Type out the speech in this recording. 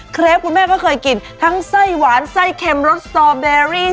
เครปคุณแม่ก็เคยกินทั้งไส้หวานไส้เค็มรสสตอเบอรี่